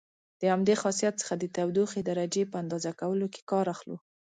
د همدې خاصیت څخه د تودوخې درجې په اندازه کولو کې کار اخلو.